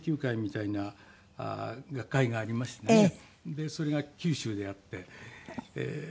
でそれが九州であって。